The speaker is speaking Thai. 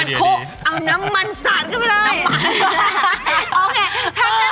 เอาน้ำมันสาดเข้าไปเลย